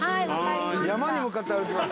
山に向かって歩きます。